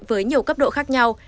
với nhiều cấp độ khác nhau